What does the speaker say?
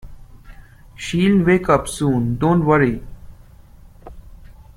She’ll wake up soon, don't worry